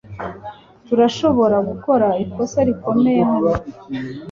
Turashobora gukora ikosa rikomeye hano .